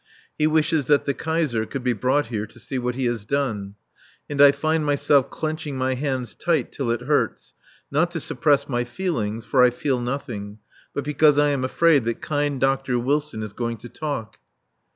He wishes that the Kaiser could be brought here to see what he has done. And I find myself clenching my hands tight till it hurts, not to suppress my feelings for I feel nothing but because I am afraid that kind Dr. Wilson is going to talk.